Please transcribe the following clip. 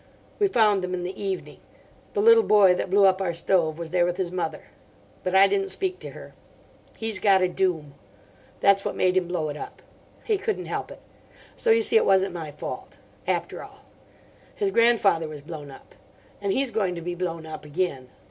We found them in the evening. The little boy that blew up our stove was there with his mother. But I didn't speak to her. He's got a doom. That's what made him blow it up. He couldn't help it. So you see it wasn't my fault. After all. His grandfather was blown up. And he's going to be blown up again.